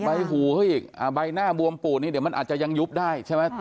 ใบหูเขาอีกใบหน้าบวมปูดนี้เดี๋ยวมันอาจจะยังยุบได้ใช่ไหม